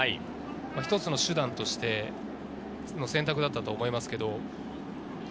一つの手段として、選択があったと思います。